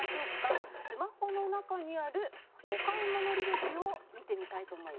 スマホの中にあるお買い物履歴を見てみたいと思います。